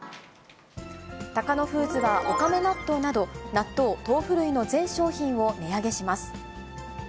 タカノフーズは、おかめ納豆など、納豆、豆腐類の全商品を値上げします。